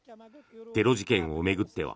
テロ事件を巡っては